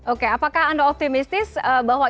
oke apakah anda optimistis bahwa